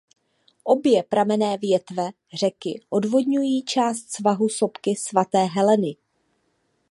Obě pramenné větve řeky odvodňují část svahu sopky Svaté Heleny.